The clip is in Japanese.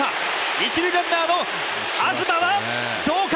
一塁ランナーの東はどうか！